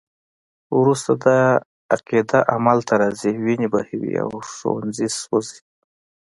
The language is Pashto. وروسته دا عقیده عمل ته راځي، وینې بهوي او ښوونځي سیزي.